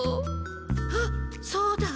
あっそうだ！